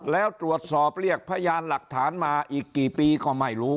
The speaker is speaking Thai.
แล้วตรวจสอบเรียกพยานหลักฐานมาอีกกี่ปีก็ไม่รู้